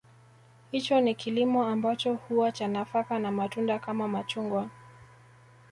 Hicho ni kilimo ambacho huwa cha nafaka na matunda Kama machungwa